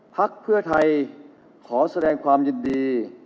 พักเพื่อไทยขอแสดงความยินดี